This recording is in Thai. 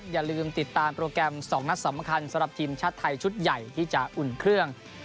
อย่าลืมติดตามโปรแกรม๒นัดสำคัญสำหรับทีมชาติไทยชุดใหญ่ที่จะอุ่นเครื่อง